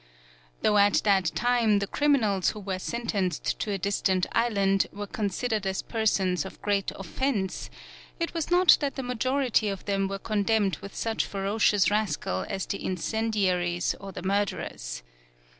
Though at that time the criminals who were sentenced to a distant island were considered as persons of great of fense, it was not that the majority of them were condemned with such fero cious rascals as the incendiaries or the murderers.